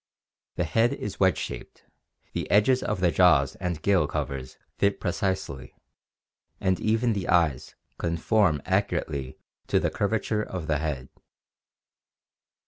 The head is wedge shaped, the edges of the jaws and gill covers fit precisely, and even the eyes conform accurately to the curvature of the head.